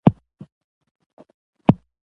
په افغانستان کې د چرګانو روزنه شتون لري.